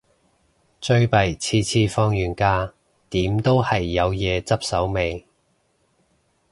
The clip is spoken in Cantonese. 最弊次次放完假，點都係有嘢執手尾